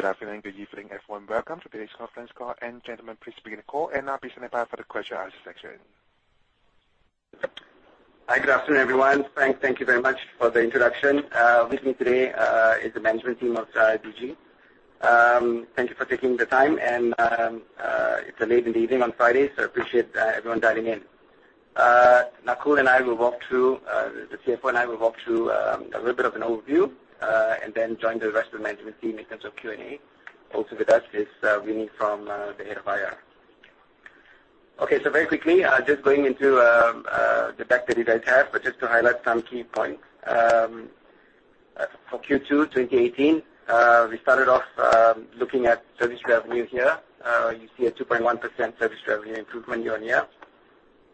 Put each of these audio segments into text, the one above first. Good afternoon, good evening, everyone. Welcome to today's conference call. Gentlemen, please begin the call, and I'll be standing by for the question & answer section. Hi. Good afternoon, everyone. Frank, thank you very much for the introduction. With me today is the management team of Digi. Thank you for taking the time, and it's late in the evening on Friday, appreciate everyone dialing in. Nakul and I will walk through, the CFO and I will walk through a little bit of an overview, and then join the rest of the management team in terms of Q&A. Also with us is Veni from the head of IR. Okay. Very quickly, just going into the deck that you guys have, but just to highlight some key points. For Q2 2018, we started off looking at service revenue here. You see a 2.1% service revenue improvement year-on-year,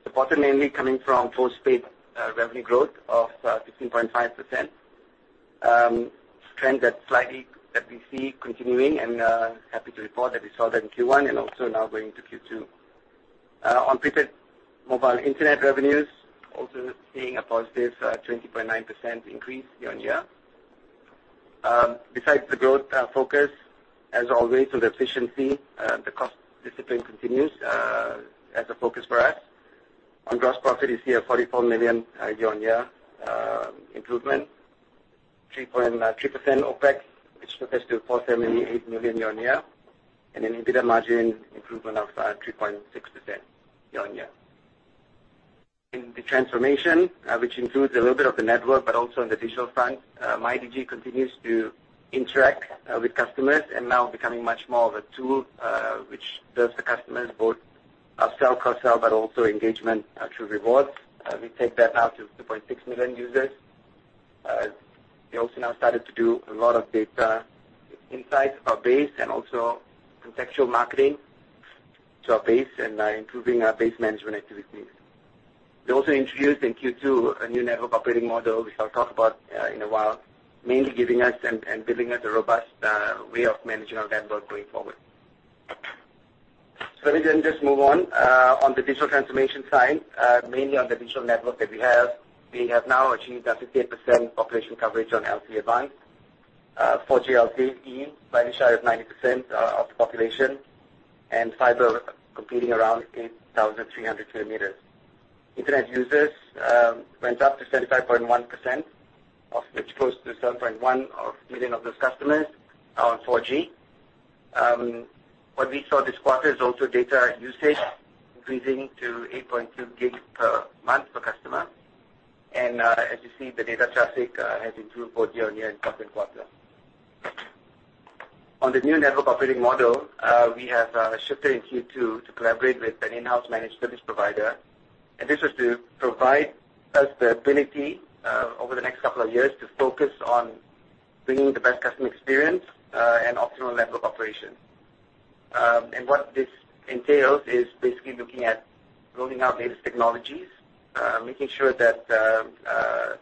reportedly coming from postpaid revenue growth of 15.5%, trend that's slightly that we see continuing, and happy to report that we saw that in Q1 and also now going into Q2. On prepaid mobile internet revenues, also seeing a positive 20.9% increase year-on-year. Besides the growth focus, as always, the efficiency, the cost discipline continues as a focus for us. On gross profit, you see a 44 million year-on-year improvement, 3.3% OpEx, which equates to 478 million year-on-year, and an EBITDA margin improvement of 3.6% year-on-year. In the transformation, which includes a little bit of the network, but also on the digital front, MyDigi continues to interact with customers and now becoming much more of a tool, which helps the customers both up-sell, cross-sell, but also engagement through rewards. We take that now to 2.6 million users. We also now started to do a lot of data insights our base and also contextual marketing to our base and improving our base management activities. We also introduced in Q2 a new network operating model, which I'll talk about in a while, mainly giving us and building us a robust way of managing our network going forward. Let me just move on. On the digital transformation side, mainly on the digital network that we have, we have now achieved a 58% population coverage on LTE Advanced. 4G LTE by in large is 90% of the population, and fiber competing around 8,300 kilometers. Internet users went up to 75.1%, of which close to 7.1 of million of those customers are on 4G. What we saw this quarter is also data usage increasing to 8.2 gigs per month per customer. As you see, the data traffic has improved both year-on-year and quarter-on-quarter. On the new network operating model, we have shifted in Q2 to collaborate with an in-house managed service provider. This was to provide us the ability over the next couple of years to focus on bringing the best customer experience, and optimal network operations. What this entails is basically looking at rolling out latest technologies, making sure that the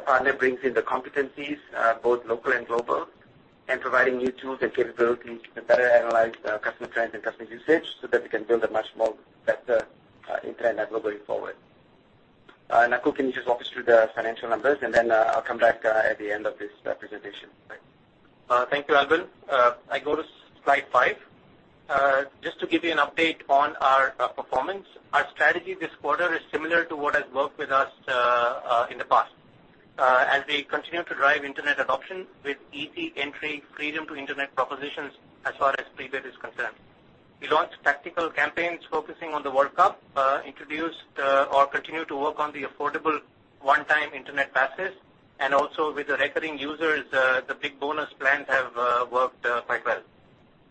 partner brings in the competencies, both local and global, and providing new tools and capabilities to better analyze customer trends and customer usage, so that we can build a much more better internet network going forward. Nakul, can you just walk us through the financial numbers, then I'll come back at the end of this presentation. Thank you, Albern. I go to slide five. Just to give you an update on our performance. Our strategy this quarter is similar to what has worked with us in the past. We continue to drive internet adoption with easy entry freedom to internet propositions as far as prepaid is concerned. We launched tactical campaigns focusing on the World Cup, introduced or continued to work on the affordable one-time internet passes. Also with the recurring users, the big bonus plans have worked quite well.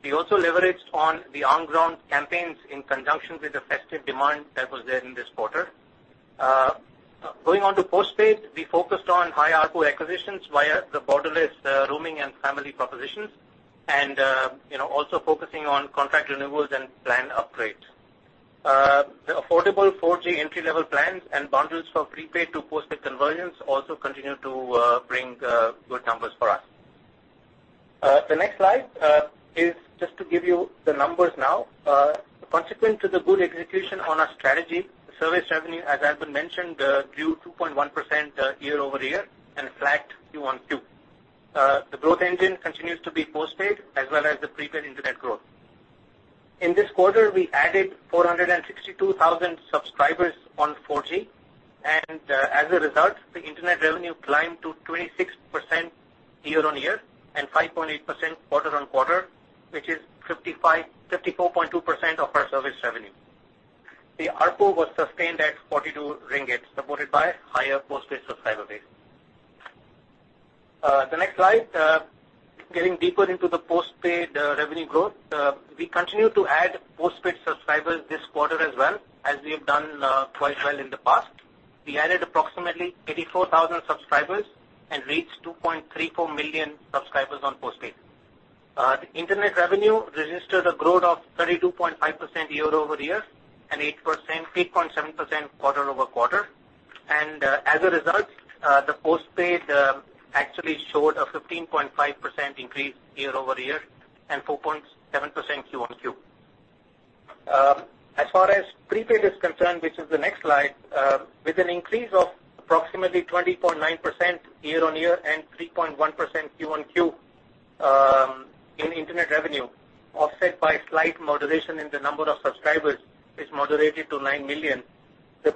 We also leveraged on the on-ground campaigns in conjunction with the festive demand that was there in this quarter. Going on to postpaid, we focused on high ARPU acquisitions via the borderless roaming and family propositions. Also focusing on contract renewals and plan upgrades. The affordable 4G entry-level plans and bundles for prepaid to postpaid conversions also continue to bring good numbers for us. The next slide is just to give you the numbers now. Consequent to the good execution on our strategy, service revenue, as Albern mentioned, grew 2.1% year-over-year and flat Q1 to Q2. The growth engine continues to be postpaid as well as the prepaid internet growth. In this quarter, we added 462,000 subscribers on 4G. As a result, the internet revenue climbed to 26% year-on-year and 5.8% quarter-on-quarter, which is 54.2% of our service revenue. The ARPU was sustained at 42 ringgit, supported by higher postpaid subscriber base. The next slide, getting deeper into the postpaid revenue growth. We continue to add postpaid subscribers this quarter as well, as we have done quite well in the past. We added approximately 84,000 subscribers and reached 2.34 million subscribers on postpaid. The internet revenue registered a growth of 32.5% year-over-year and 8%, 3.7% quarter-over-quarter. As a result, the postpaid actually showed a 15.5% increase year-over-year and 4.7% Q1 to Q2. As far as prepaid is concerned, which is the next slide, with an increase of approximately 20.9% year-on-year and 3.1% Q1 Q in internet revenue, offset by slight moderation in the number of subscribers, which moderated to 9 million. The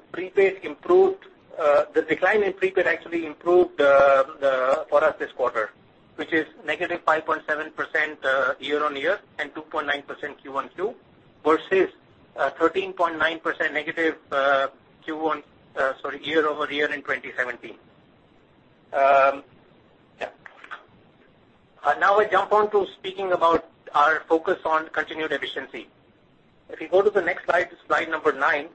decline in prepaid actually improved for us this quarter, which is -5.7% year-on-year and 2.9% Q1 Q versus 13.9% negative year-over-year in 2017. Now I jump on to speaking about our focus on continued efficiency. If you go to the next slide number nine,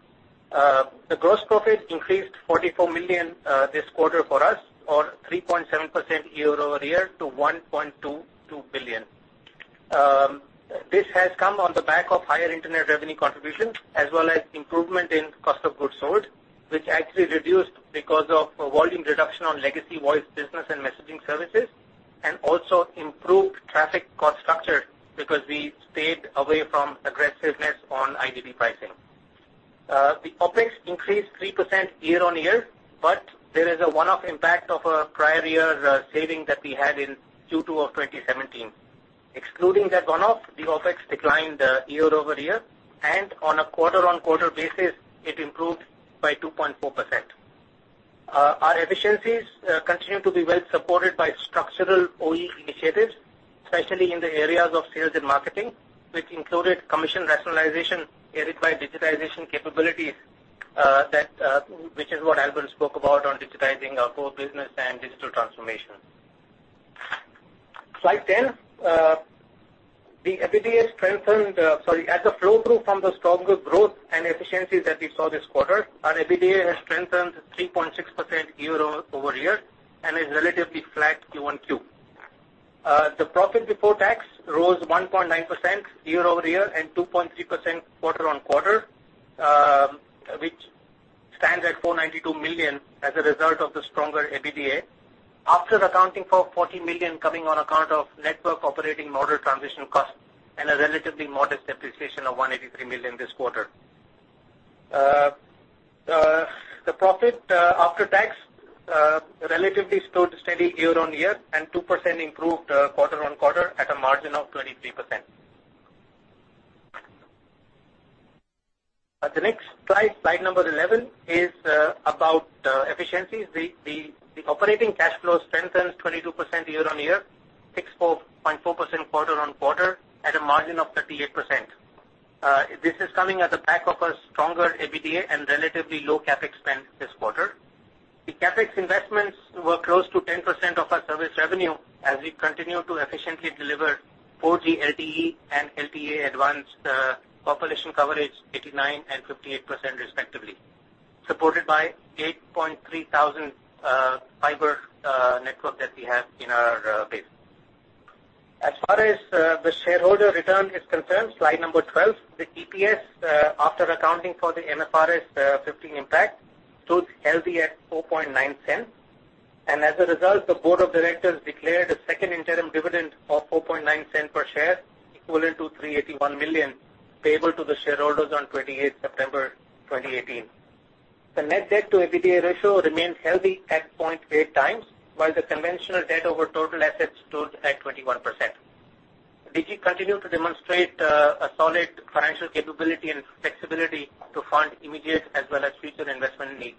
the gross profit increased 44 million this quarter for us or 3.7% year-over-year to 1.22 billion. This has come on the back of higher internet revenue contribution as well as improvement in cost of goods sold, which actually reduced because of volume reduction on legacy voice business and messaging services, also improved traffic cost structure because we stayed away from aggressiveness on IDD pricing. OpEx increased 3% year-on-year, but there is a one-off impact of a prior year saving that we had in Q2 of 2017. Excluding that one-off, OpEx declined year-over-year, and on a quarter-on-quarter basis, it improved by 2.4%. Our efficiencies continue to be well supported by structural OE initiatives, especially in the areas of sales and marketing, which included commission rationalization aided by digitization capabilities, which is what Albern spoke about on digitizing our core business and digital transformation. Slide 10. A flow-through from the stronger growth and efficiencies that we saw this quarter, our EBITDA has strengthened 3.6% year-over-year and is relatively flat Q1 Q. Profit before tax rose 1.9% year-over-year and 2.3% quarter-on-quarter, which stands at 492 million as a result of the stronger EBITDA, after accounting for 40 million coming on account of network operating model transition costs and a relatively modest depreciation of 183 million this quarter. Profit after tax relatively stood steady year-on-year and 2% improved quarter-on-quarter at a margin of 23%. The next slide number 11, is about efficiencies. Operating cash flow strengthens 22% year-on-year, 6.4% quarter-on-quarter at a margin of 38%. This is coming at the back of a stronger EBITDA and relatively low CapEx spend this quarter. CapEx investments were close to 10% of our service revenue as we continue to efficiently deliver 4G LTE and LTE Advanced population coverage 89% and 58% respectively, supported by 8,300 fiber network that we have in our base. Far as the shareholder return is concerned, slide number 12, EPS after accounting for the MFRS 15 impact, stood healthy at 0.049. As a result, the board of directors declared a second interim dividend of 0.049 per share, equivalent to 381 million, payable to the shareholders on 28th September 2018. Net debt to EBITDA ratio remains healthy at 0.8 times, while the conventional debt over total assets stood at 21%. Digi continued to demonstrate a solid financial capability and flexibility to fund immediate as well as future investment needs.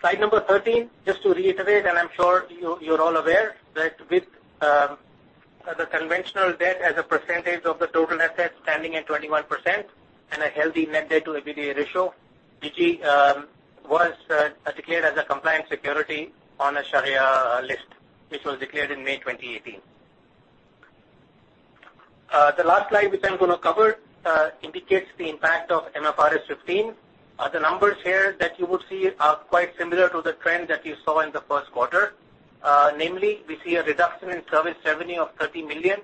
Slide number 13, just to reiterate, I'm sure you're all aware that with the conventional debt as a percentage of the total assets standing at 21% and a healthy net debt to EBITDA ratio, Digi was declared as a compliant security on a Shariah list, which was declared in May 2018. Last slide, which I'm going to cover, indicates the impact of MFRS 15. Numbers here that you would see are quite similar to the trend that you saw in the first quarter. Namely, we see a reduction in service revenue of 30 million,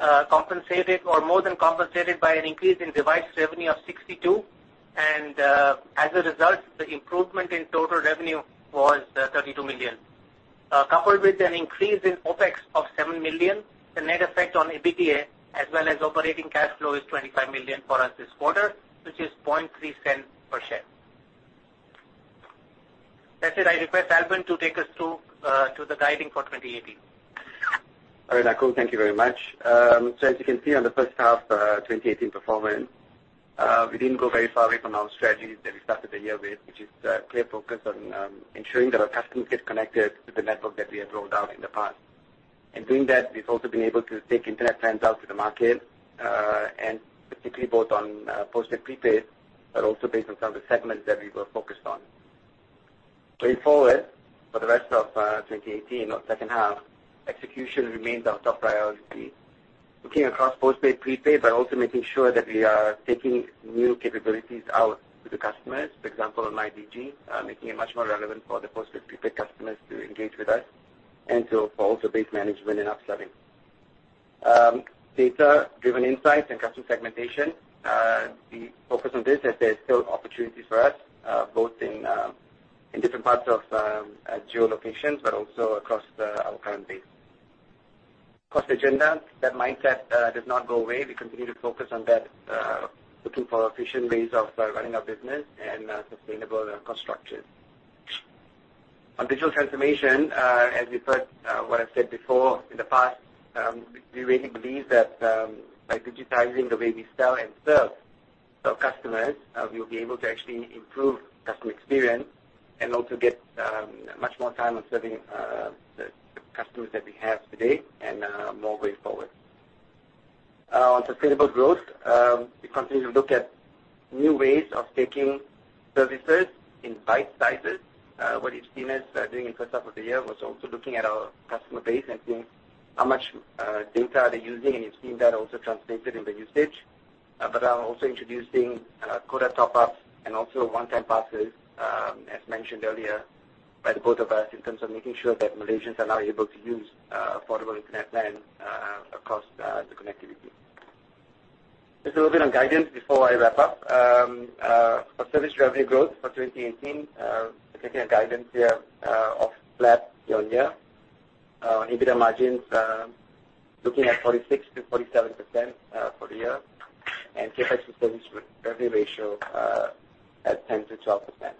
more than compensated by an increase in device revenue of 62 million, as a result, the improvement in total revenue was 32 million. Coupled with an increase in OpEx of 7 million, the net effect on EBITDA as well as operating cash flow is 25 million for us this quarter, which is 0.003 per share. I request Albern to take us through to the guiding for 2018. All right, Nakul. Thank you very much. As you can see on the first half 2018 performance, we didn't go very far away from our strategy that we started the year with, which is a clear focus on ensuring that our customers get connected to the network that we have rolled out in the past. In doing that, we've also been able to take internet plans out to the market, and specifically both on postpaid prepaid, but also based on some of the segments that we were focused on. Going forward, for the rest of 2018 or second half, execution remains our top priority, looking across postpaid prepaid, but also making sure that we are taking new capabilities out to the customers, for example, on IDD, making it much more relevant for the postpaid prepaid customers to engage with us and for also base management and upselling. Data-driven insights and customer segmentation, we focus on this as there are still opportunities for us, both in different parts of geo-locations, but also across our current base. Cost agenda, that mindset does not go away. We continue to focus on that, looking for efficient ways of running our business and sustainable cost structures. On digital transformation, as you've heard what I've said before, in the past, we really believe that by digitizing the way we sell and serve our customers, we'll be able to actually improve customer experience and also get much more time on serving the customers that we have today and more going forward. On sustainable growth, we continue to look at new ways of taking services in bite sizes. What you've seen us doing in the first half of the year was also looking at our customer base and seeing how much data they're using, and you've seen that also translated in the usage. Also introducing quota top-ups and also one-time passes, as mentioned earlier by the both of us, in terms of making sure that Malaysians are now able to use affordable internet plans across the connectivity. Just a little bit on guidance before I wrap up. For service revenue growth for 2018, we're giving a guidance year of flat year-on-year. On EBITDA margins, looking at 46%-47% for the year, and CapEx to service revenue ratio at 10%-12%.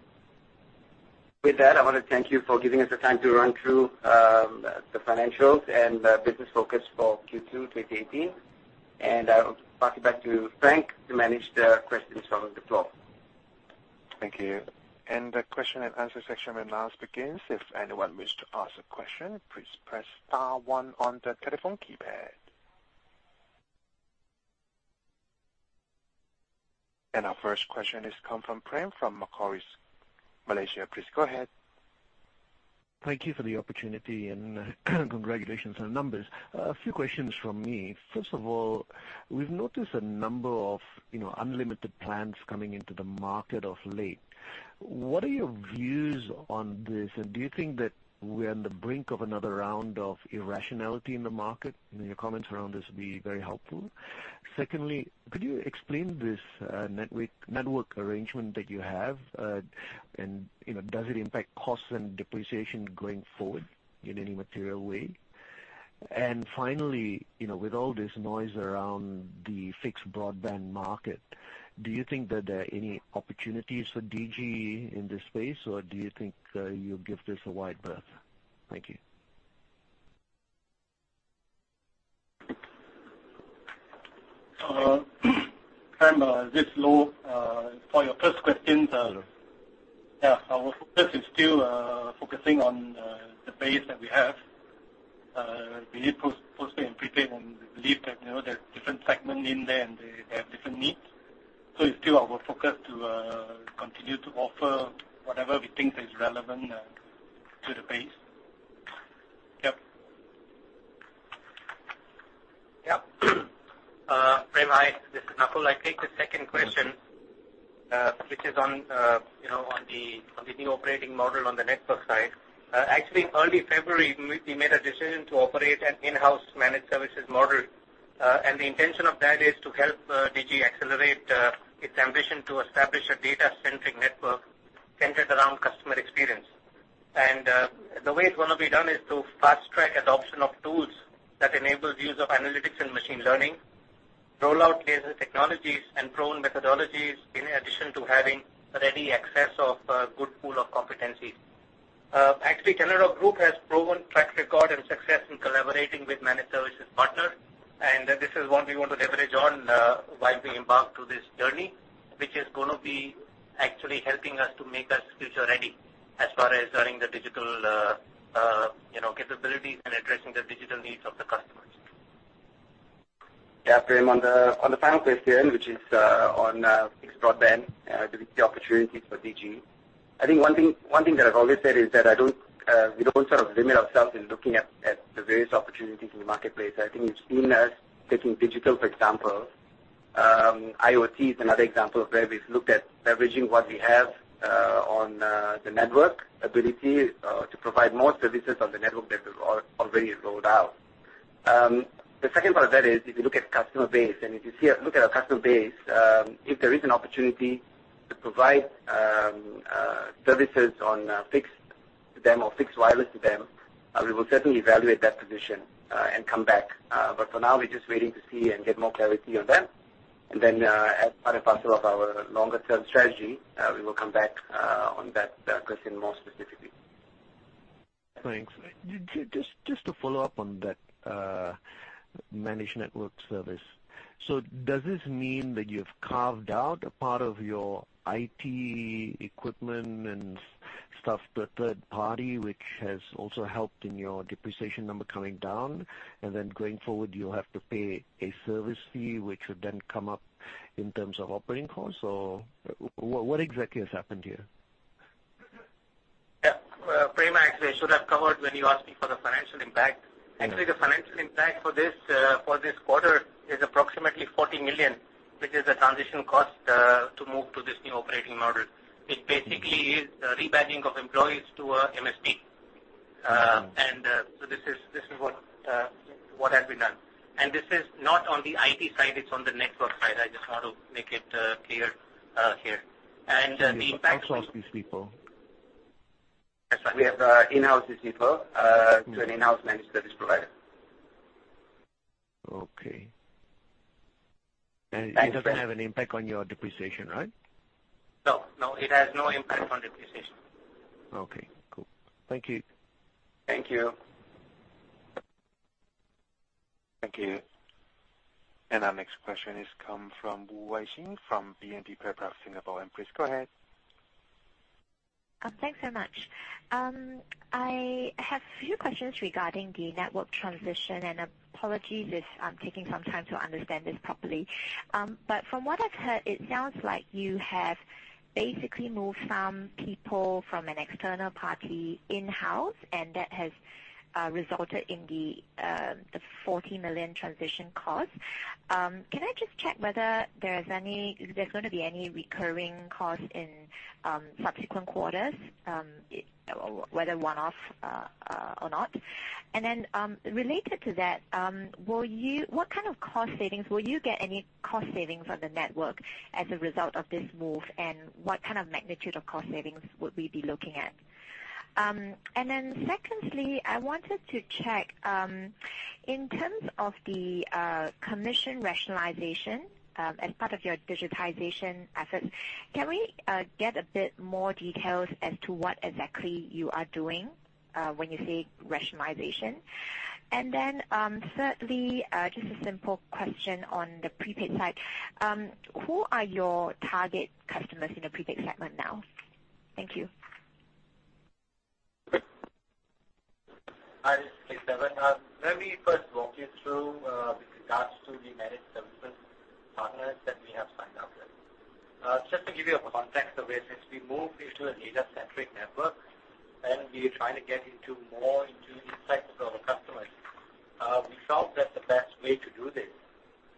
With that, I want to thank you for giving us the time to run through the financials and business focus for Q2 2018. I'll pass it back to Frank to manage the questions from the floor. Thank you. The question and answer session now begins. If anyone wishes to ask a question, please press star one on the telephone keypad. Our first question has come from Prem from Macquarie, Malaysia. Please go ahead. Thank you for the opportunity, and congratulations on the numbers. A few questions from me. First of all, we've noticed a number of unlimited plans coming into the market of late. What are your views on this, and do you think that we're on the brink of another round of irrationality in the market? Your comments around this would be very helpful. Secondly, could you explain this network arrangement that you have? Does it impact costs and depreciation going forward in any material way? Finally, with all this noise around the fixed broadband market, do you think that there are any opportunities for Digi in this space, or do you think you'll give this a wide berth? Thank you. Prem, this is Lo. For your first question, our focus is still focusing on the base that we have. We need post-pay and pre-pay, and we believe that there's different segment in there, and they have different needs. It's still our focus to continue to offer whatever we think is relevant to the base. Yep. Yep. Prem, hi. This is Nakul. I take the second question, which is on the new operating model on the network side. Actually, early February, we made a decision to operate an in-house managed services model. The intention of that is to help Digi accelerate its ambition to establish a data-centric network centered around customer experience. The way it's going to be done is to fast-track adoption of tools that enables use of analytics and machine learning, roll out latest technologies and proven methodologies, in addition to having ready access of a good pool of competencies. Actually, Telenor Group has proven track record and success in collaborating with managed services partner, this is what we want to leverage on while we embark on this journey, which is going to be actually helping us to make us future-ready as far as running the digital capabilities and addressing the digital needs of the customers. Yeah, Prem, on the final question, which is on fixed broadband, the opportunities for Digi. I think one thing that I've always said is that we don't limit ourselves in looking at the various opportunities in the marketplace. I think you've seen us taking digital, for example. IoT is another example of where we've looked at leveraging what we have on the network ability to provide more services on the network that we've already rolled out. The second part of that is, if you look at our customer base, if there is an opportunity to provide services on fixed to them or fixed wireless to them, we will certainly evaluate that position and come back. For now, we're just waiting to see and get more clarity on them. As part and parcel of our longer-term strategy, we will come back on that question more specifically. Thanks. Just to follow up on that managed network service. Does this mean that you've carved out a part of your IT equipment and stuff to a third party, which has also helped in your depreciation number coming down? Going forward, you'll have to pay a service fee, which would then come up in terms of operating costs, or what exactly has happened here? Yeah. Prem, I should have covered when you asked me for the financial impact. The financial impact for this quarter is approximately 40 million, which is a transition cost to move to this new operating model, which basically is the rebadging of employees to an MSP. Okay. On the IT side, it's on the network side. I just want to make it clear here. Outsource these people. That's right. To an in-house managed service provider. Okay. Thanks. It doesn't have an impact on your depreciation, right? No. It has no impact on depreciation. Okay, cool. Thank you. Thank you. Thank you. Our next question is come from Wu Weijing from BNP Paribas, Singapore. Please go ahead. Thanks so much. I have a few questions regarding the network transition, and apologies if I'm taking some time to understand this properly. From what I've heard, it sounds like you have basically moved some people from an external party in-house, and that has resulted in the 40 million transition cost. Can I just check whether there's going to be any recurring cost in subsequent quarters, whether one-off or not? Related to that, what kind of cost savings, will you get any cost savings on the network as a result of this move, and what kind of magnitude of cost savings would we be looking at? Secondly, I wanted to check, in terms of the commission rationalization as part of your digitization efforts, can we get a bit more details as to what exactly you are doing when you say rationalization? Thirdly, just a simple question on the prepaid side. Who are your target customers in the prepaid segment now? Thank you. Hi, this is Kesavan. Let me first walk you through, with regards to the managed services partners that we have signed up with. Just to give you a context of it, since we moved into a data-centric network and we are trying to get more into the insights of our customers, we felt that the best way to do this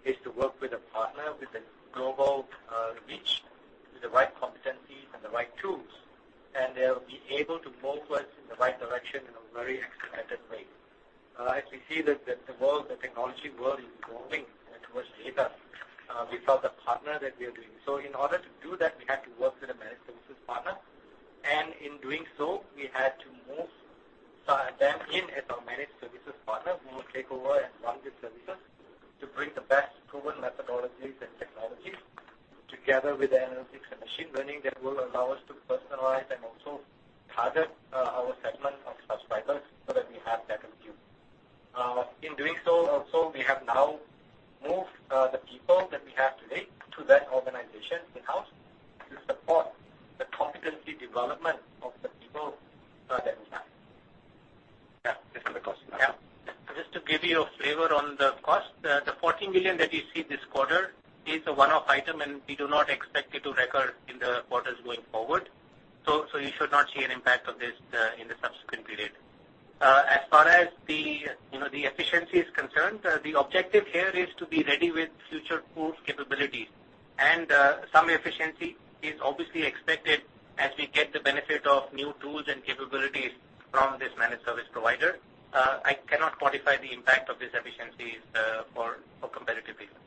is to work with a partner with a global reach, with the right competencies and the right tools, and they'll be able to move us in the right direction in a very expedited way. As we see that the technology world is evolving towards data, we felt the partner that we are doing. In order to do that, we had to work with a managed services partner. In doing so, we had to move them in as our managed services partner who will take over and run the services to bring the best proven methodologies and technologies together with analytics and machine learning that will allow us to personalize and also target our segment of subscribers so that we have better view. In doing so also, we have now moved the people that we have today to that organization in-house to support the competency development of the people that we have. Just on the cost now. Just to give you a flavor on the cost, the 40 million that you see this quarter is a one-off item, and we do not expect it to recur in the quarters going forward. You should not see an impact of this in the subsequent period. As far as the efficiency is concerned, the objective here is to be ready with future-proof capabilities. Some efficiency is obviously expected as we get the benefit of new tools and capabilities from this managed service provider. I cannot quantify the impact of these efficiencies for competitive reasons.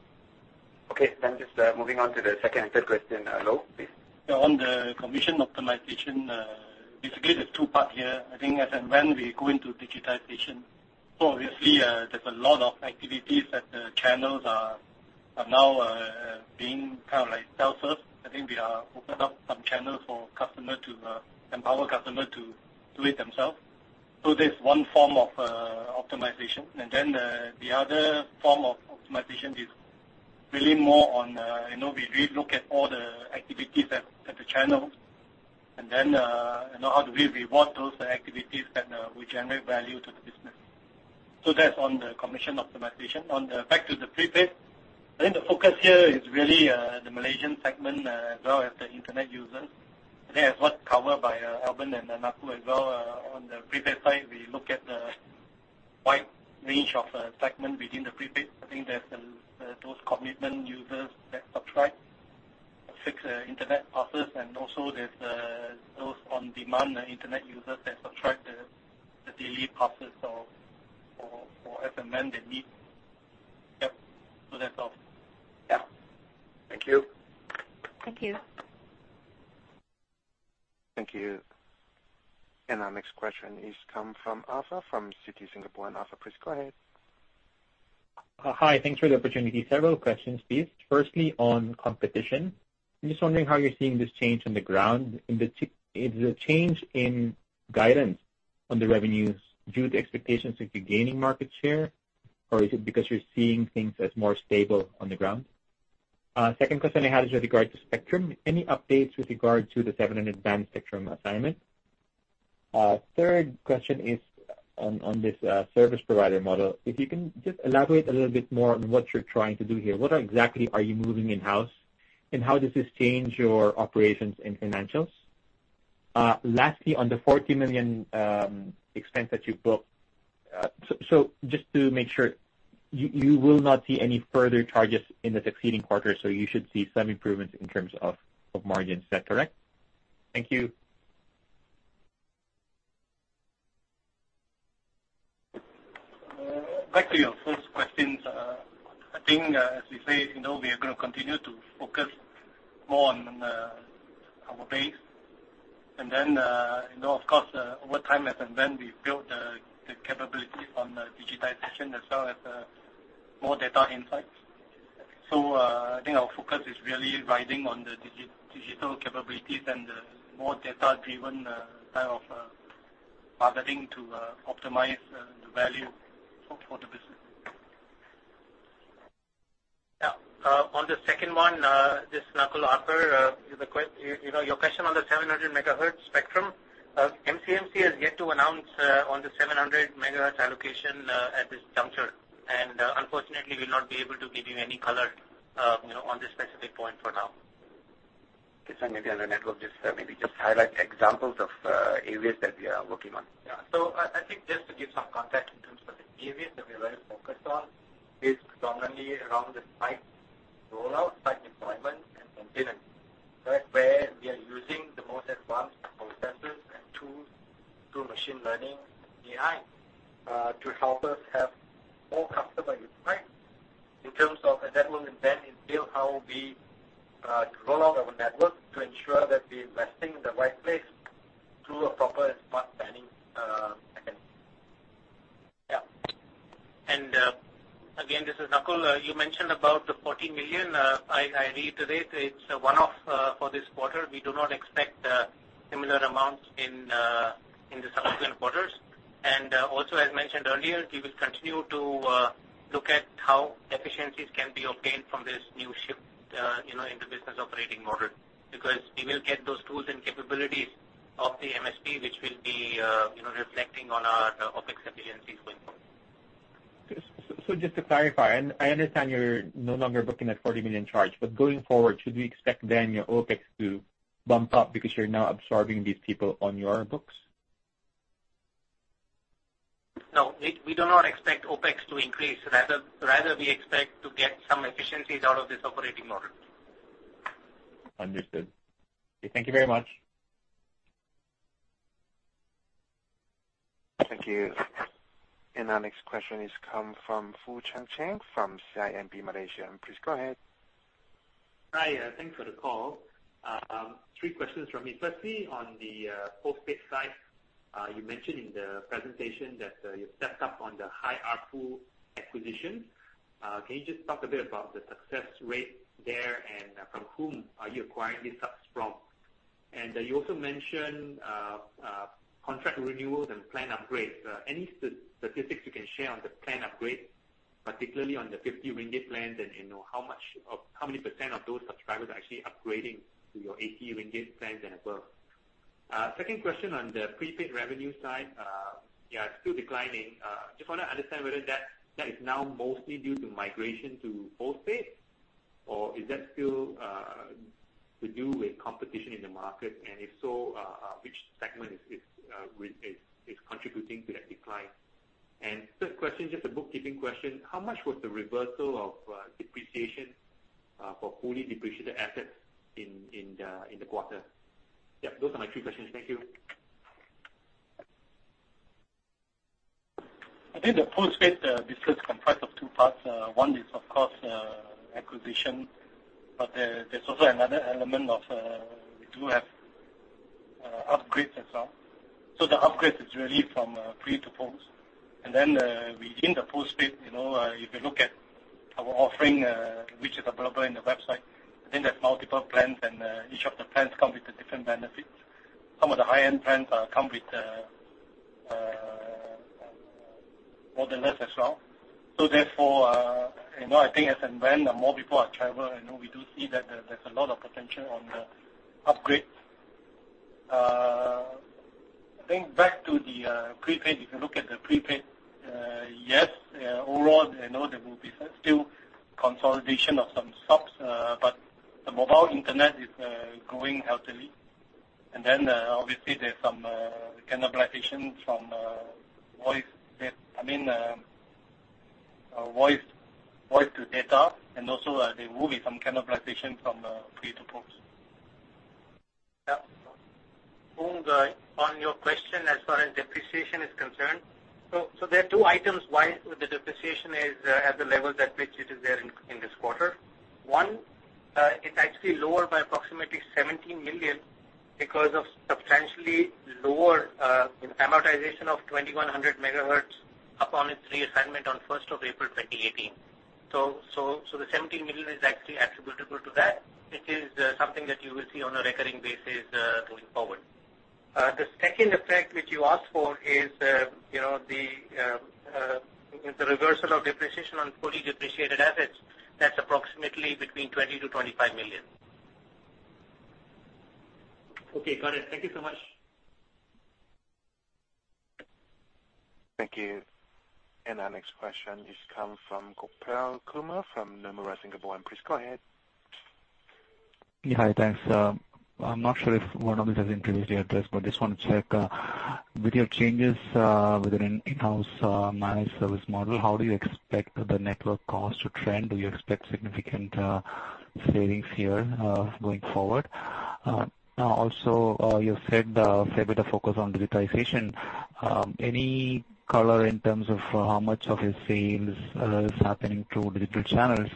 Okay. Just moving on to the second and third question. Lo, please. On the commission optimization, basically, there's two part here. I think as and when we go into digitization, so obviously, there's a lot of activities that the channels are now being kind of like self-serve. I think we are opened up some channels for customer to empower customer to do it themselves. There's one form of optimization. The other form of optimization is really more on, we re-look at all the activities at the channels and then, how do we reward those activities that will generate value to the business. That's on the commission optimization. Back to the prepaid, I think the focus here is really the Malaysian segment as well as the internet users. I think that's what covered by Albern and Nakul as well. On the prepaid side, we look at the wide range of segment within the prepaid. I think there's those commitment users that subscribe to fixed internet passes, and also there's those on-demand internet users that subscribe the daily passes or as and when they need. Yep. That's all. Yeah. Thank you. Thank you. Thank you. Our next question is come from Arthur from Citi Singapore. Arthur, please go ahead. Hi. Thanks for the opportunity. Several questions, please. Firstly, on competition, I'm just wondering how you're seeing this change on the ground. Is the change in guidance on the revenues due to expectations that you're gaining market share, or is it because you're seeing things as more stable on the ground? Second question I had is with regard to spectrum. Any updates with regard to the 700 band spectrum assignment? Third question is on this service provider model. If you can just elaborate a little bit more on what you're trying to do here. What exactly are you moving in-house, and how does this change your operations and financials? Lastly, on the 40 million expense that you've booked. Just to make sure, you will not see any further charges in the succeeding quarters. You should see some improvements in terms of margins. Is that correct? Thank you. Back to your first questions. I think, as we say, we are going to continue to focus more on our base. Of course, over time, as and when we build the capability on digitization as well as more data insights. I think our focus is really riding on the digital capabilities and the more data-driven type of targeting to optimize the value for the business. Yeah. On the second one, this is Nakul, Arthur. Your question on the 700 MHz spectrum. MCMC has yet to announce on the 700 MHz allocation at this juncture. Unfortunately, we will not be able to give you any color on this specific point for now. Kesavan, maybe on the network, just highlight examples of areas that we are working on. I think just to give some context in terms of the areas that we are very focused on is predominantly around the site rollout, site deployment, and maintenance, where we are using the most advanced processes and tools through machine learning and AI, to help us have more customer insights in terms of, and that will then entail how we roll out our network to ensure that we're investing in the right place through a proper and smart planning mechanism. Yeah. Again, this is Nakul. You mentioned about the 40 million. I reiterate, it's a one-off for this quarter. We do not expect similar amounts in the subsequent quarters. Also, as mentioned earlier, we will continue to look at how efficiencies can be obtained from this new shift in the business operating model. Because we will get those tools and capabilities of the MSP, which will be reflecting on our OpEx efficiencies going forward. Just to clarify, I understand you're no longer booking that 40 million charge. Going forward, should we expect then your OpEx to bump up because you're now absorbing these people on your books? No, we do not expect OpEx to increase. Rather, we expect to get some efficiencies out of this operating model. Understood. Okay, thank you very much. Thank you. Our next question is come from Foong Choong Chen from CIMB Malaysia. Please go ahead. Hi, thanks for the call. Three questions from me. Firstly, on the postpaid side, you mentioned in the presentation that you've stepped up on the high ARPU acquisition. Can you just talk a bit about the success rate there and from whom are you acquiring these subs from? You also mentioned contract renewals and plan upgrades. Any statistics you can share on the plan upgrades, particularly on the 50 ringgit plans and how many % of those subscribers are actually upgrading to your 80 ringgit plans and above? Second question on the prepaid revenue side. Yeah, still declining. Just want to understand whether that is now mostly due to migration to postpaid, or is that still to do with competition in the market, and if so, which segment is contributing to that decline? Third question, just a bookkeeping question. How much was the reversal of depreciation for fully depreciated assets in the quarter? Yeah, those are my three questions. Thank you. I think the postpaid business comprise of two parts. One is, of course, acquisition. There's also another element of, we do have upgrades as well. The upgrade is really from pre to post. Within the postpaid, if you look at our offering, which is available in the website, I think there's multiple plans, and each of the plans come with a different benefit. Some of the high-end plans come with more than less as well. Therefore, I think as and when more people are traveling, we do see that there's a lot of potential on the upgrade. I think back to the prepaid, if you look at the prepaid, yes, overall, there will be still consolidation of some subs, but the mobile internet is growing healthily. Obviously there's some cannibalization from voice to data, and also there will be some cannibalization from pre to post. Yeah. Foong, on your question as far as depreciation is concerned. There are two items why the depreciation is at the level that which it is there in this quarter. One, it's actually lower by approximately 17 million because of substantially lower amortization of 2100 MHz upon its reassignment on 1st of April 2018. The 17 million is actually attributable to that, which is something that you will see on a recurring basis going forward. The second effect which you asked for is the reversal of depreciation on fully depreciated assets. That's approximately between 20 million-25 million. Okay, got it. Thank you so much. Thank you. Our next question is come from Gopal Kumar from Nomura Singapore. Please go ahead. Yeah. Hi, thanks. I'm not sure if one of you has introduced yet this, just want to check, with your changes within in-house managed service model, how do you expect the network cost to trend? Do you expect significant savings here going forward? Also, you said a fair bit of focus on digitization. Any color in terms of how much of your sales is happening through digital channels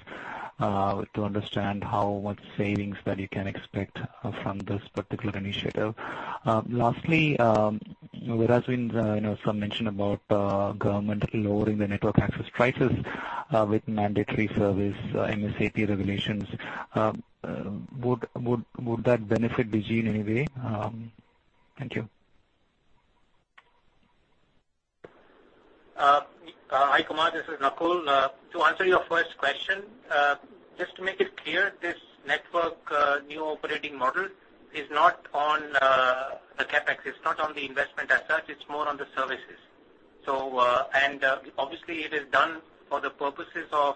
to understand how much savings that you can expect from this particular initiative? Lastly, there has been some mention about government lowering the network access prices with mandatory service, MSAP regulations. Would that benefit Digi in any way? Thank you. Hi, Kumar. This is Nakul. To answer your first question, just to make it clear, this network new operating model is not on the CapEx. It's not on the investment as such. It's more on the services. Obviously, it is done for the purposes of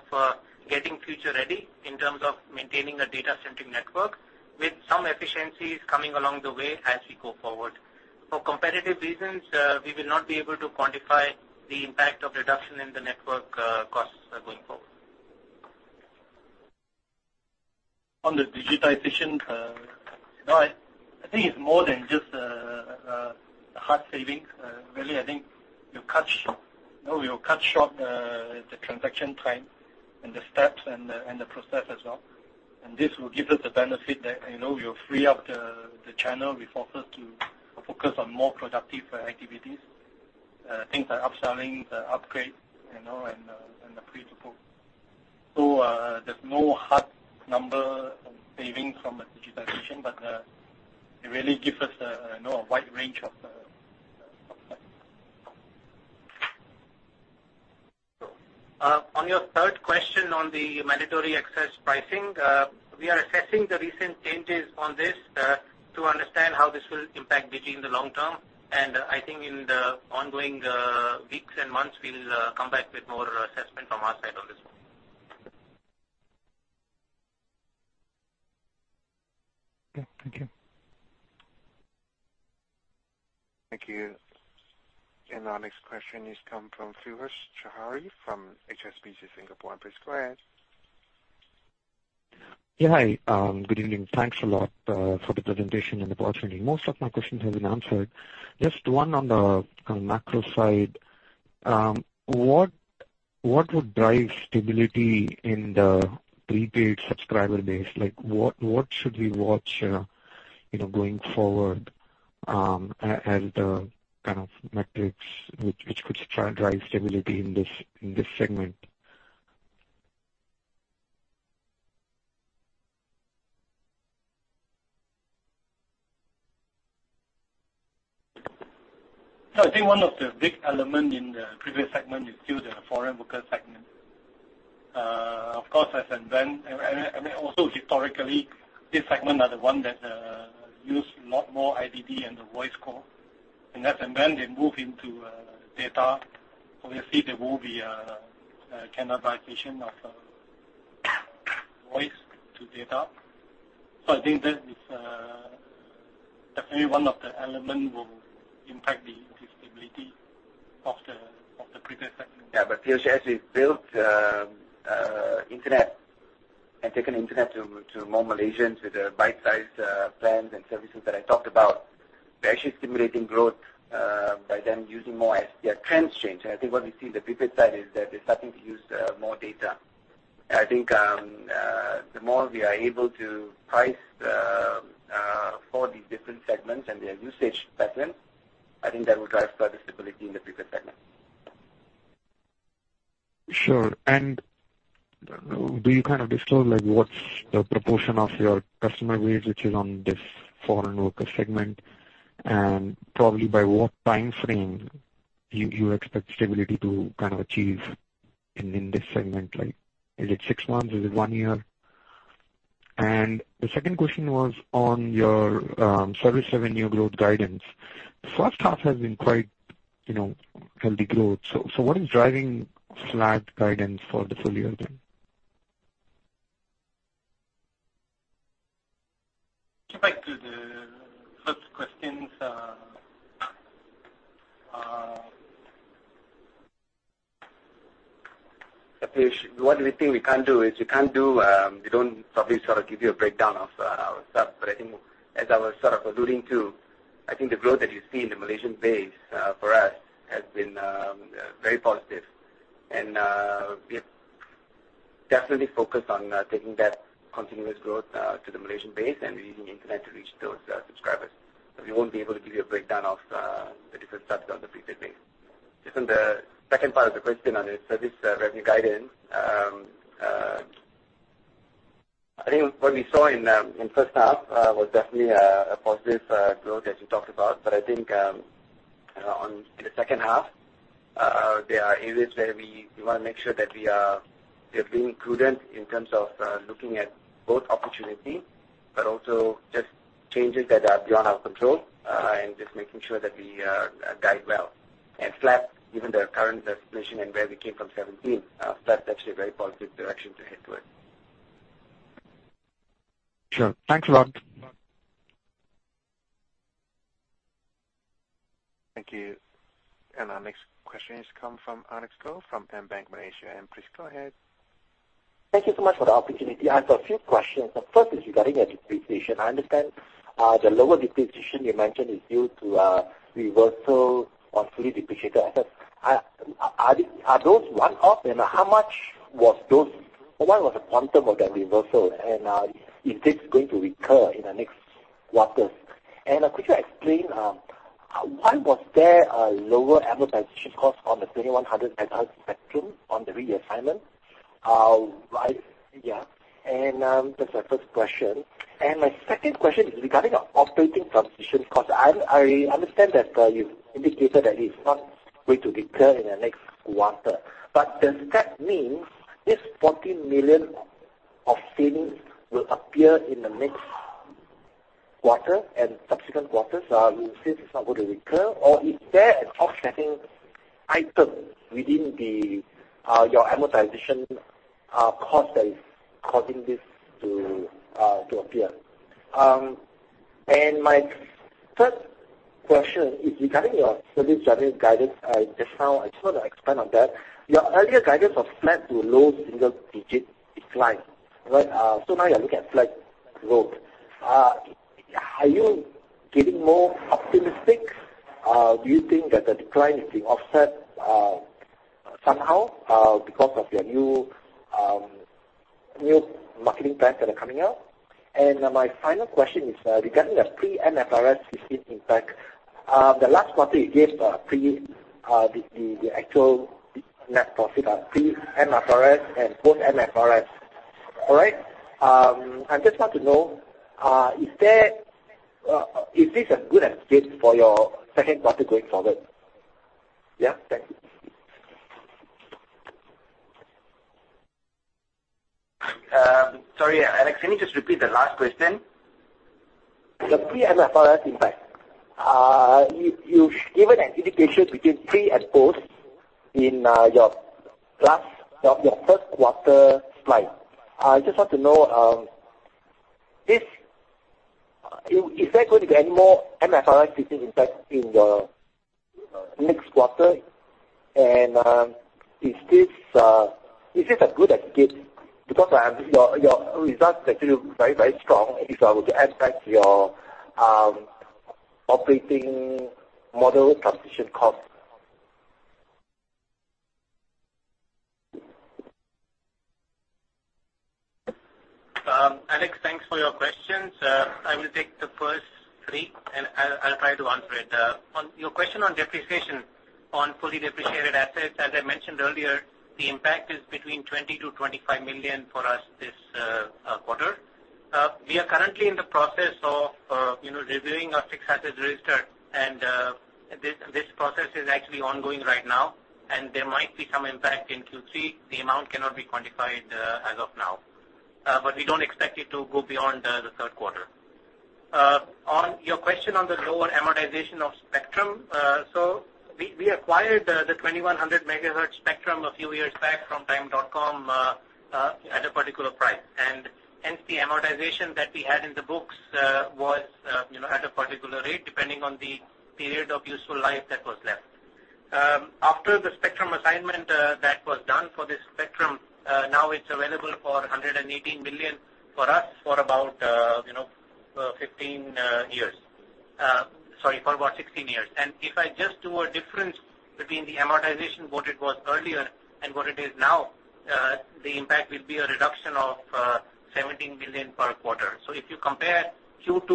getting future ready in terms of maintaining a data centric network, with some efficiencies coming along the way as we go forward. For competitive reasons, we will not be able to quantify the impact of reduction in the network costs going forward. On the digitization, I think it's more than just a hard saving. Really, I think you'll cut short the transaction time and the steps and the process as well. This will give us the benefit that you'll free up the channel resources to focus on more productive activities. Things like upselling, the upgrade, and the pre-approval. There's no hard number savings from the digitization, but it really gives us a wide range of On your third question on the mandatory access pricing, we are assessing the recent changes on this to understand how this will impact Digi in the long term, I think in the ongoing weeks and months, we'll come back with more assessment from our side on this one. Okay. Thank you. Thank you. Our next question is come from Piyush Choudhary from HSBC Singapore and Piyush go ahead. Yeah, hi. Good evening. Thanks a lot for the presentation and the brainstorming. Most of my questions have been answered. Just one on the macro side. What would drive stability in the prepaid subscriber base? What should we watch going forward as the kind of metrics which could drive stability in this segment? I think one of the big element in the previous segment is still the foreign worker segment. Of course, as and when, and also historically, this segment are the one that use a lot more IDD and the voice call. As and when they move into data, obviously, there will be a cannibalization of voice to data. I think that is definitely one of the element will impact the stability of the previous segment. As we built internet and taken internet to more Malaysians with the bite-sized plans and services that I talked about. We're actually stimulating growth by them using more IDD. Their trends change. I think what we see the prepaid side is that they're starting to use more data. I think, the more we are able to price for these different segments and their usage patterns, I think that will drive quite the stability in the prepaid segment. Sure. Do you disclose, what's the proportion of your customer base which is on this foreign worker segment? Probably by what time frame do you expect stability to achieve in this segment? Is it six months? Is it one year? The second question was on your service revenue growth guidance. First half has been quite healthy growth. What is driving flat guidance for the full year then? To go back to the first questions. What do we think we can't do is, we don't probably give you a breakdown of our subs, but I think as I was alluding to, I think the growth that you see in the Malaysian base, for us, has been very positive. We have definitely focused on taking that continuous growth to the Malaysian base and using internet to reach those subscribers. We won't be able to give you a breakdown of the different subs on the prepaid base. Just on the second part of the question on the service revenue guidance, I think what we saw in first half was definitely a positive growth, as you talked about. I think, in the second half, there are areas where we want to make sure that we are being prudent in terms of looking at both opportunity, but also just changes that are beyond our control, and just making sure that we guide well and flat given the current situation and where we came from 2017. That's actually a very positive direction to head toward. Sure. Thanks a lot. Thank you. Our next question is coming from Alex Lo from AmBank Malaysia. Please go ahead. Thank you so much for the opportunity. I have a few questions. The first is regarding a depreciation. I understand the lower depreciation you mentioned is due to reversal on fully depreciated assets. Are those one-off, how much was the quantum of that reversal, and is this going to recur in the next quarters? Could you explain why was there a lower amortization cost on the 2100 MHz spectrum on the reassignment? That's my first question. My second question is regarding operating transition cost. I understand that you've indicated that it's not going to recur in the next quarter. Does that mean this 40 million of savings will appear in the next quarter and subsequent quarters, since it's not going to recur, or is there an offsetting item within your amortization cost that is causing this to appear? My third question is regarding your service revenue guidance. Just now, I just want to expand on that. Your earlier guidance was flat to low single-digit decline. Now you're looking at flat growth. Are you getting more optimistic? Do you think that the decline is being offset somehow because of your new marketing plans that are coming out? My final question is regarding the pre-MFRS 16 impact. The last quarter you gave the actual net profit pre-MFRS and post-MFRS. All right? I just want to know, is this a good escape for your second quarter going forward? Yeah, thanks. Sorry, Alex, can you just repeat the last question? The pre-MFRS impact. You've given an indication between pre and post in your first quarter slide. I just want to know if there are going to be any more MFRS 16 impact in your next quarter. Is this good escape? Your results actually look very strong if I were to add back to your operating model transition cost. Alex, thanks for your questions. I will take the first three. I'll try to answer it. On your question on depreciation on fully depreciated assets, as I mentioned earlier, the impact is between 20 million to 25 million for us this quarter. We are currently in the process of reviewing our fixed assets register, and this process is actually ongoing right now, and there might be some impact in Q3. The amount cannot be quantified as of now. We don't expect it to go beyond the third quarter. On your question on the lower amortization of spectrum, we acquired the 2100 MHz spectrum a few years back from TIME dotCom at a particular price. Hence the amortization that we had in the books was at a particular rate, depending on the period of useful life that was left. After the spectrum assignment that was done for this spectrum, now it's available for 118 million for us for about 16 years. If I just do a difference between the amortization, what it was earlier and what it is now, the impact will be a reduction of 17 million per quarter. If you compare Q2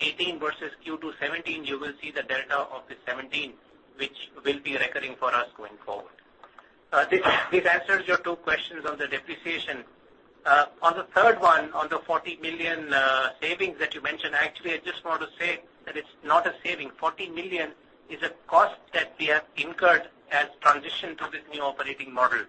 2018 versus Q2 2017, you will see the delta of the 17 million, which will be recurring for us going forward. This answers your two questions on the depreciation. On the third one, on the 40 million savings that you mentioned, actually, I just want to say that it's not a saving. 40 million is a cost that we have incurred as transition to this new operating model.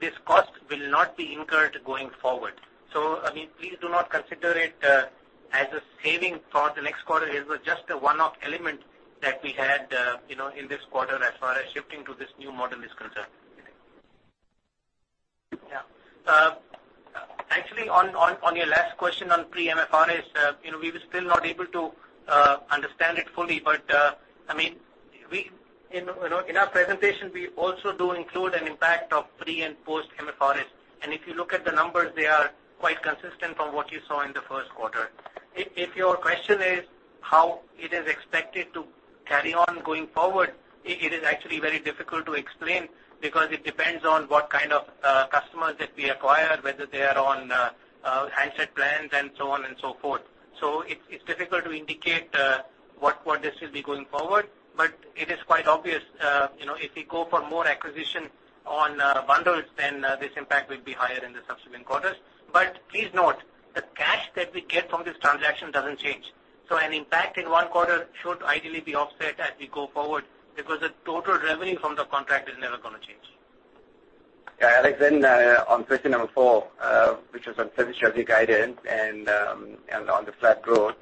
This cost will not be incurred going forward. Please do not consider it as a saving for the next quarter. It was just a one-off element that we had in this quarter as far as shifting to this new model is concerned. Actually, on your last question on pre-MFRS, we were still not able to understand it fully. In our presentation, we also do include an impact of pre and post-MFRS. If you look at the numbers, they are quite consistent from what you saw in the first quarter. If your question is how it is expected to carry on going forward, it is actually very difficult to explain because it depends on what kind of customers that we acquire, whether they are on handset plans and so on and so forth. It's difficult to indicate what this will be going forward, but it is quite obvious if we go for more acquisition on bundles, then this impact will be higher in the subsequent quarters. Please note, the cash that we get from this transaction doesn't change. An impact in one quarter should ideally be offset as we go forward because the total revenue from the contract is never going to change. Alex, on question number four, which was on service revenue guidance and on the flat growth.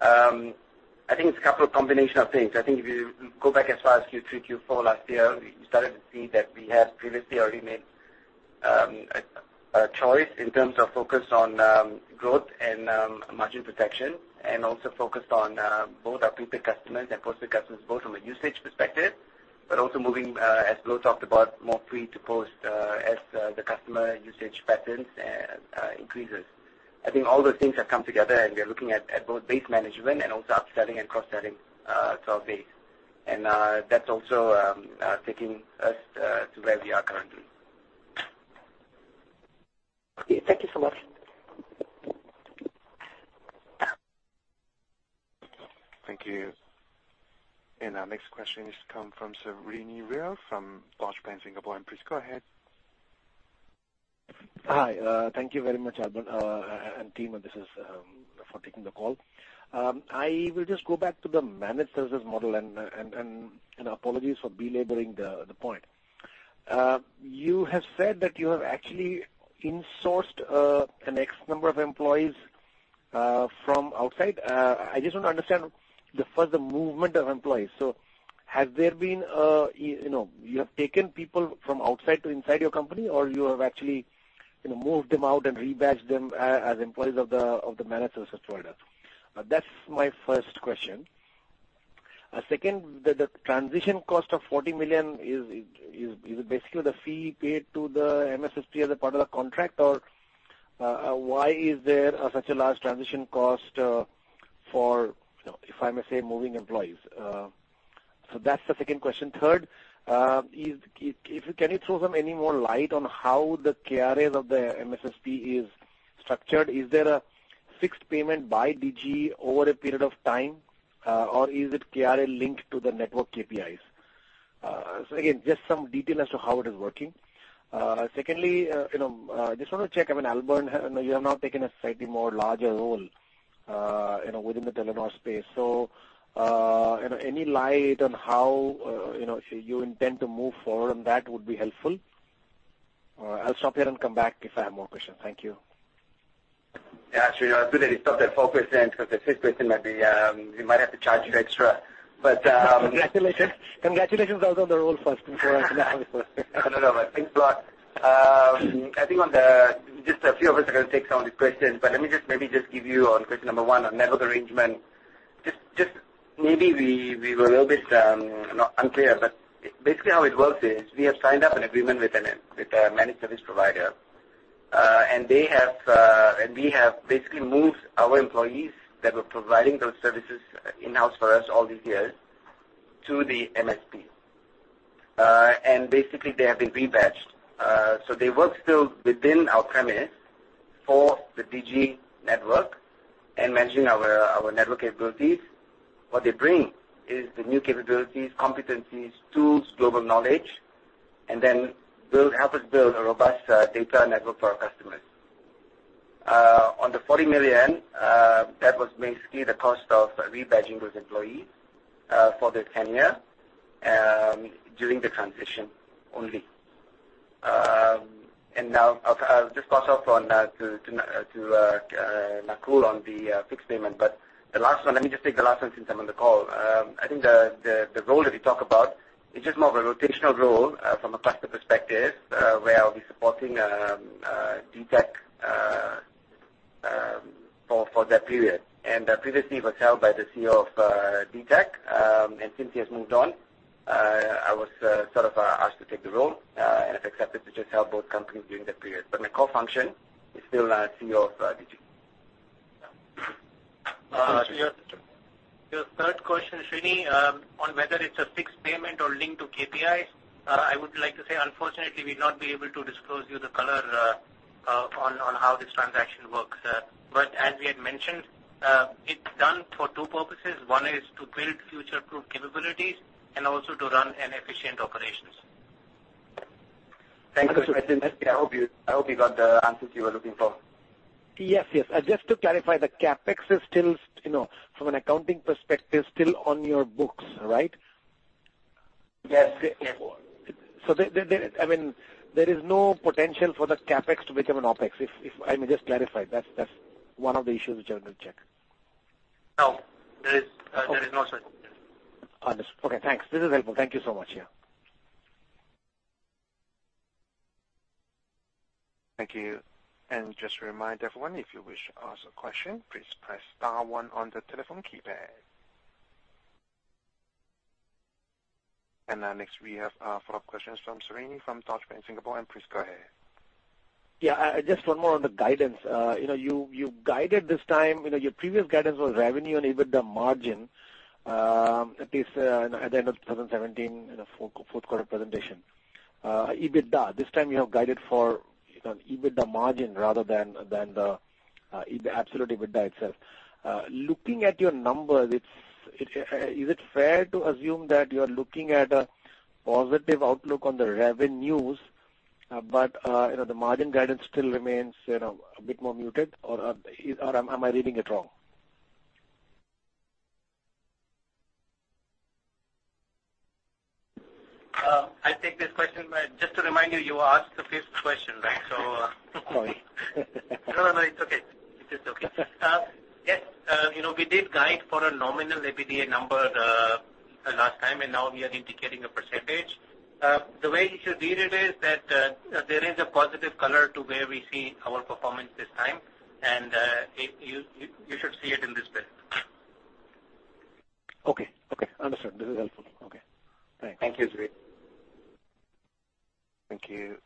I think it's a couple of combination of things. I think if you go back as far as Q3, Q4 last year, you started to see that we have previously already made a choice in terms of focus on growth and margin protection, and also focused on both our pre-paid customers and post-paid customers, both from a usage perspective, but also moving, as Loh talked about, more pre to post as the customer usage patterns increases. I think all those things have come together, and we are looking at both base management and also upselling and cross-selling to our base. That's also taking us to where we are currently. Okay, thank you so much. Thank you. Our next question is come from Srinivas Rao from Deutsche Bank Singapore. Please go ahead. Hi, thank you very much, Albern, and team for taking the call. I will just go back to the managed services model, and apologies for belaboring the point. You have said that you have actually insourced, an X number of employees from outside. I just want to understand the first movement of employees. Have you taken people from outside to inside your company, or you have actually moved them out and rebadged them as employees of the managed services provider? That's my first question. Second, the transition cost of 40 million is basically the fee paid to the MSSP as a part of the contract, or why is there such a large transition cost for, if I may say, moving employees? That's the second question. Third, can you throw some any more light on how the KRAs of the MSSP is structured? Is there a fixed payment by Digi over a period of time, or is it KRA linked to the network KPIs? Again, just some detail as to how it is working. Secondly, just want to check. I mean, Albern, you have now taken a slightly larger role within the Telenor space. Any light on how you intend to move forward on that would be helpful. I'll stop here and come back if I have more questions. Thank you. Yeah, Srini, it's good that you stopped at four questions, because the fifth question, we might have to charge you extra. Congratulations. Congratulations also on the role first, before I come to the fourth question. No, no. Thanks a lot. I think just a few of us are going to take some of these questions. Let me just maybe just give you on question number one on network arrangement. Maybe we were a little bit unclear. Basically, how it works is we have signed up an agreement with a managed service provider, and we have basically moved our employees that were providing those services in-house for us all these years to the MSP. Basically, they have been rebadged. They work still within our premise for the Digi network and managing our network capabilities. What they bring is the new capabilities, competencies, tools, global knowledge, and then help us build a robust data network for our customers. On the 40 million, that was basically the cost of rebadging those employees for the tenure, during the transition only. Now, I'll just pass off to Nakul on the fixed payment. The last one, let me just take the last one since I'm on the call. I think the role that we talk about is just more of a rotational role, from a cluster perspective, where I'll be supporting Dtac for that period. Previously it was held by the CEO of Dtac, and since he has moved on, I was sort of asked to take the role, and I've accepted to just help both companies during that period. My core function is still CEO of Digi. Your third question, Srini, on whether it's a fixed payment or linked to KPIs. I would like to say, unfortunately, we'll not be able to disclose you the color on how this transaction works. As we had mentioned, it's done for two purposes. One is to build future-proof capabilities and also to run an efficient operations. Thanks for the question, Srini. I hope you got the answers you were looking for. Yes. Just to clarify, the CapEx is, from an accounting perspective, still on your books, right? Yes. There is no potential for the CapEx to become an OpEx. I mean, just clarify. That's one of the issues which I wanted to check. No, there is no such. Understood. Okay, thanks. This is helpful. Thank you so much. Yeah. Thank you. Just a reminder, everyone, if you wish to ask a question, please press star one on the telephone keypad. Next, we have follow-up questions from Srini from Deutsche Bank Singapore. Please go ahead. Just one more on the guidance. You guided this time, your previous guidance was revenue and EBITDA margin, at least at the end of 2017 in the fourth quarter presentation. EBITDA, this time you have guided for EBITDA margin rather than the absolute EBITDA itself. Looking at your numbers, is it fair to assume that you're looking at a positive outlook on the revenues, but the margin guidance still remains a bit more muted? Am I reading it wrong? I'll take this question, just to remind you asked the fifth question, right? Sorry. No, it's okay. We did guide for a nominal EBITDA number last time, now we are indicating a percentage. The way you should read it is that there is a positive color to where we see our performance this time, you should see it in this space. Okay. Understood. This is helpful. Okay. Thanks. Thank you, Sri. Thank you.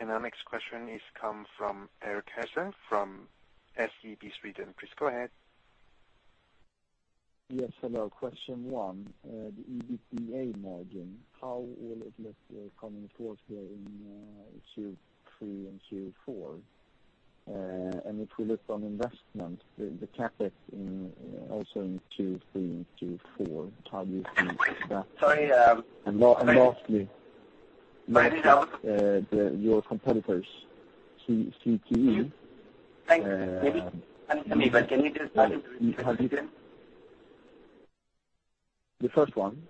Our next question is come from Erik Hassel from SEB Sweden. Please go ahead. Yes, hello. Question one, the EBITDA margin, how will it look coming forth here in Q3 and Q4? If we look on investment, the CapEx also in Q3 and Q4, how do you see that? Sorry. Lastly. Sorry. Your competitors, ZTE. Sorry, but can you just repeat the question? The first one.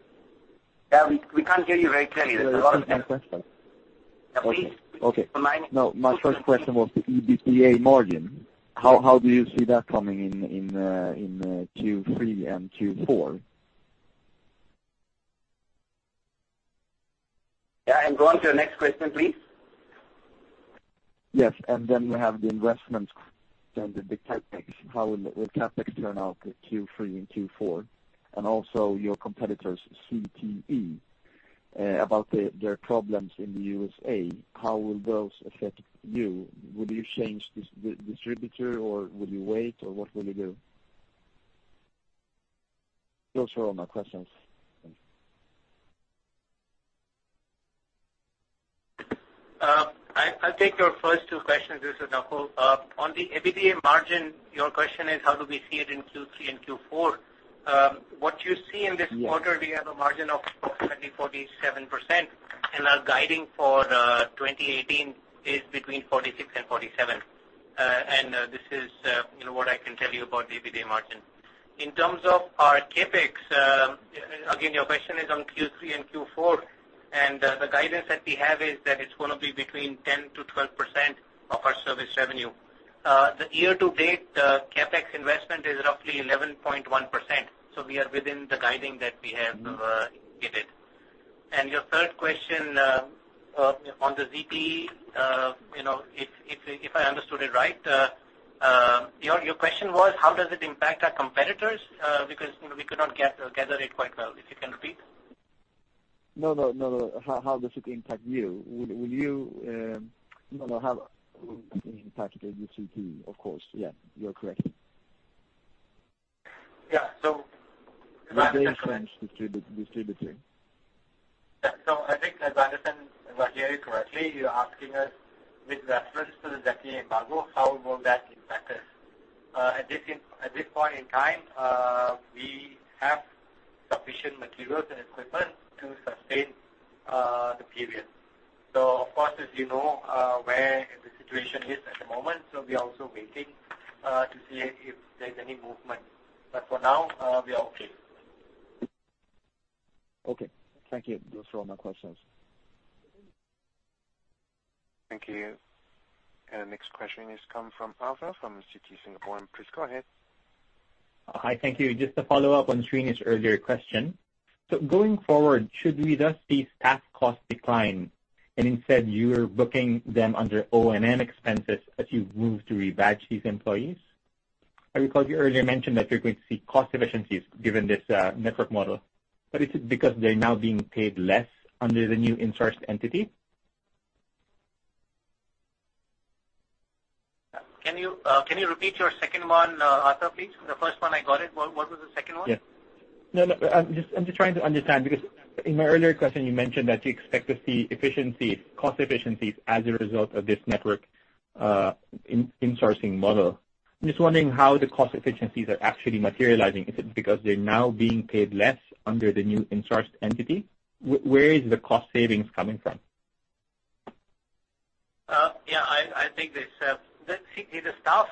We can't hear you very clearly. There's a lot of echo. Okay. Please come on. No, my first question was the EBITDA margin. How do you see that coming in Q3 and Q4? Go on to your next question, please. Yes, then we have the investment and the CapEx. How will CapEx turn out in Q3 and Q4? Also, your competitors, ZTE, about their problems in the U.S.A., how will those affect you? Will you change distributor or will you wait, or what will you do? Those are all my questions. Thanks. I'll take your first two questions. This is Nakul. On the EBITDA margin, your question is how do we see it in Q3 and Q4? What you see in this quarter- Yes We have a margin of approximately 47%, our guiding for 2018 is between 46 and 47. This is what I can tell you about the EBITDA margin. In terms of our CapEx, again, your question is on Q3 and Q4, the guidance that we have is that it's going to be between 10 to 12% of our service revenue. The year-to-date, the CapEx investment is roughly 11.1%, so we are within the guiding that we have given. Your third question on the ZTE, if I understood it right, your question was how does it impact our competitors? Because we could not gather it quite well. If you can repeat. No, how does it impact you? How it will impact you with ZTE, of course. Yeah, you are correct. Yeah. Will they change distributor? I think if I understand, if I hear you correctly, you're asking us with reference to the ZTE embargo, how will that impact us? At this point in time, we have sufficient materials and equipment to sustain the period. Of course, as you know, where the situation is at the moment, so we are also waiting to see if there's any movement. For now, we are okay. Okay. Thank you. Those are all my questions. Thank you. Our next question is come from Arthur from Citi Singapore. Please go ahead. Hi. Thank you. Just to follow up on Srinivas's earlier question. Going forward, should we thus see staff cost decline, and instead you're booking them under O&M expenses as you move to rebadge these employees? You earlier mentioned that you're going to see cost efficiencies given this network model. Is it because they're now being paid less under the new in-sourced entity? Can you repeat your second one, Arthur, please? The first one I got it. What was the second one? Yes. No, I'm just trying to understand, because in my earlier question, you mentioned that you expect to see cost efficiencies as a result of this network in-sourcing model. I'm just wondering how the cost efficiencies are actually materializing. Is it because they're now being paid less under the new in-sourced entity? Where is the cost savings coming from? I think the staff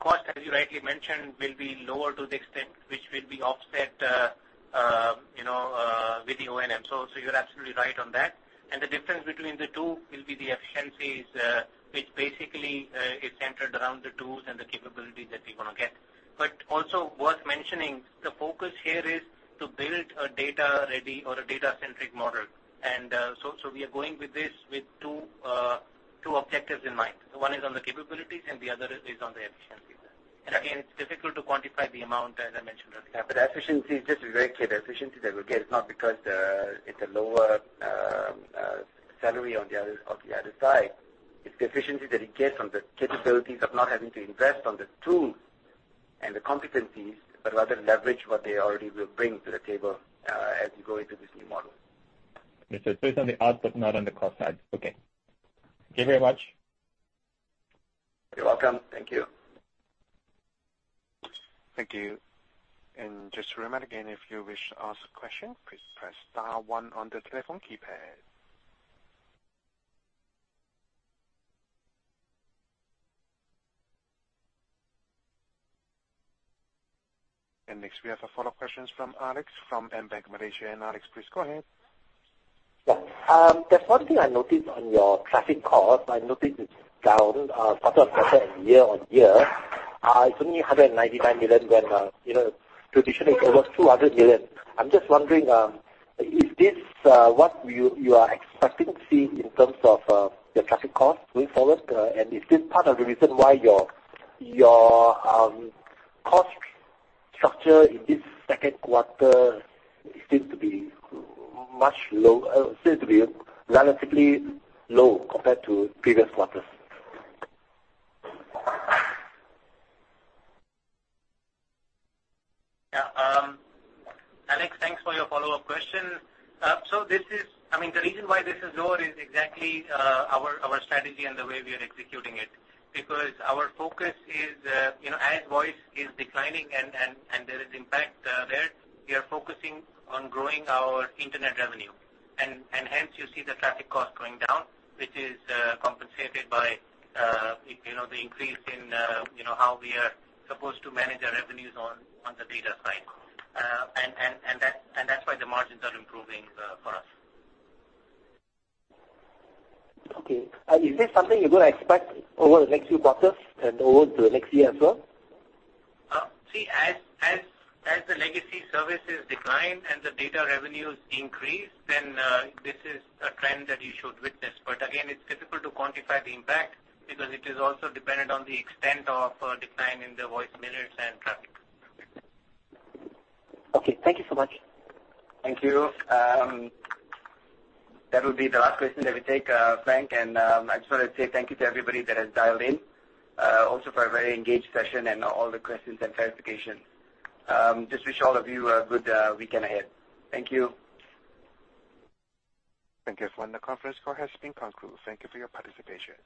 cost, as you rightly mentioned, will be lower to the extent which will be offset with the O&M. You're absolutely right on that. The difference between the two will be the efficiencies, which basically is centered around the tools and the capabilities that we're going to get. Also worth mentioning, the focus here is to build a data-ready or a data-centric model. We are going with this with two objectives in mind. One is on the capabilities and the other is on the efficiency side. Again, it's difficult to quantify the amount, as I mentioned earlier. Efficiency, just to be very clear, the efficiency that we'll get is not because it's a lower salary on the other side. It's the efficiency that you get from the capabilities of not having to invest on the tools and the competencies, but rather leverage what they already will bring to the table, as we go into this new model. It's on the output, not on the cost side. Okay. Thank you very much. You're welcome. Thank you. Thank you. Just a reminder again, if you wish to ask a question, please press star one on the telephone keypad. Next we have a follow-up question from Alex from AmBank, Malaysia. Alex, please go ahead. Yeah. There is one thing I noticed on your traffic cost. I noticed it is down quarter-on-quarter and year-on-year. It is only 199 million when traditionally it is over 200 million. I am just wondering, is this what you are expecting to see in terms of your traffic cost going forward? Is this part of the reason why your cost structure in this second quarter seems to be relatively low compared to previous quarters? Yeah. Alex, thanks for your follow-up question. The reason why this is lower is exactly our strategy and the way we are executing it, because our focus is, as voice is declining and there is impact there, we are focusing on growing our internet revenue. Hence you see the traffic cost going down, which is compensated by the increase in how we are supposed to manage our revenues on the data side. That is why the margins are improving for us. Okay. Is this something you are going to expect over the next few quarters and over the next year as well? As the legacy services decline and the data revenues increase, this is a trend that you should witness. Again, it's difficult to quantify the impact because it is also dependent on the extent of decline in the voice minutes and traffic. Thank you so much. Thank you. That will be the last question that we take, Frank, and I just want to say thank you to everybody that has dialed in, also for a very engaged session and all the questions and clarifications. Wish all of you a good weekend ahead. Thank you. Thank you. The conference call has been concluded. Thank you for your participation.